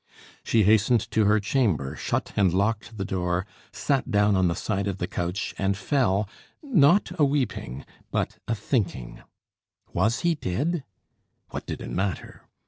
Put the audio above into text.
She hastened to her chamber, shut and locked the door, sat down on the side of the couch, and fell, not a weeping, but a thinking. Was he dead? What did it matter?